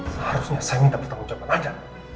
saya harusnya saya minta pertanggung jawaban saja